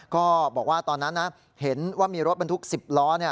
ก็บอกว่าตอนนั้นนะเห็นว่ามีรถบรรทุก๑๐ล้อ